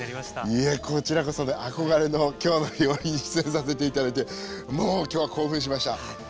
いやこちらこそね憧れの「きょうの料理」に出演させて頂いてもう今日は興奮しましたうん。